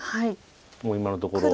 もう今のところ。